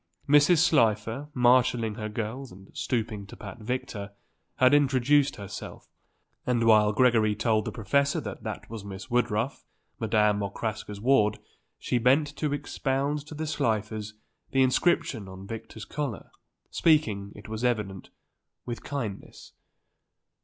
Mrs. Slifer, marshalling her girls, and stooping to pat Victor, was introducing herself, and while Gregory told the professor that that was Miss Woodruff, Madame Okraska's ward, she bent to expound to the Slifers the inscription on Victor's collar, speaking, it was evident, with kindness.